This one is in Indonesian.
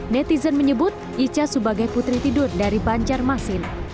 netizen menyebut ica sebagai putri tidur dari banjarmasin